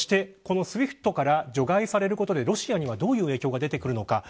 そして、このＳＷＩＦＴから除外されることでロシアにはどういう影響が出てくるのか。